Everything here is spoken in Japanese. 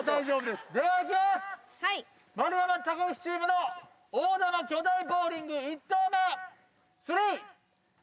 丸山・高岸チームの大玉巨大ボウリング１投目。